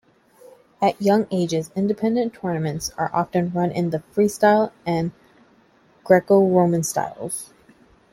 At young ages, independent tournaments are often run in the freestyle and Greco-Roman styles.